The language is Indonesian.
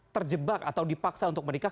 terjebak atau dipaksa untuk menikah